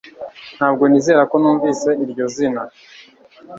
ntabwo nizera ko numvise iryo zina